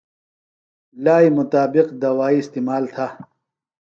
لائی مطابق دوائی استعمال تھہ۔